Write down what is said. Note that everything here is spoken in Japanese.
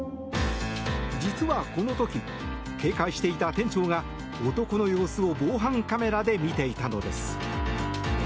実はこの時、警戒していた店長が男の様子を防犯カメラで見ていたのです。